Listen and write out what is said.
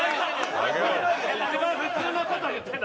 一番普通のこと言ってた。